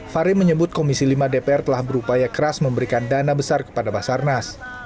fahri menyebut komisi lima dpr telah berupaya keras memberikan dana besar kepada basarnas